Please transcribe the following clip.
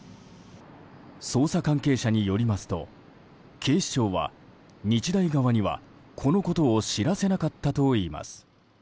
捜査関係者によりますと警視庁は日大側にはこのことを知らせなかったといいます。